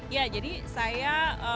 ya jadi saya